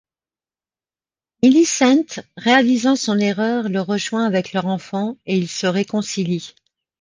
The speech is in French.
Millicent, réalisant son erreur, le rejoint avec leur enfant et ils se réconcilient.